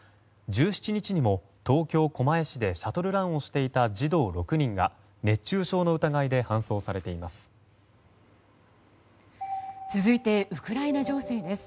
１７日にも東京・狛江市でシャトルランをしていた児童６人が熱中症の疑いで搬送されています。